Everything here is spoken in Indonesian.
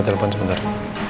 bu permisi dulu